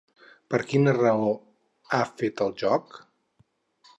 Per quina raó ha fet el joc?